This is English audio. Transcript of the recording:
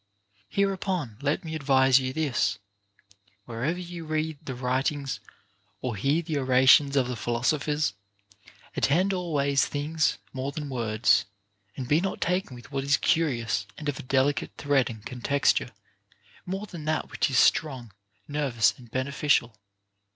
8. Hereupon let me advise you this, — whenever you read the writings or hear the orations of the philosophers, attend always things more than words, and be not taken with what is curious and of a delicate thread and context ure, more than that which is strong, nervous, and benefi cial.